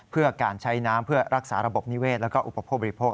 เพื่อการใช้น้ำเพื่อรักษาระบบนิเวศแล้วก็อุปโภคบริโภค